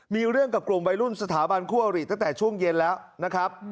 มีเรื่องกับกลุ่มวัยรุ่นสถาบันคู่อริตั้งแต่ช่วงเย็นแล้วนะครับ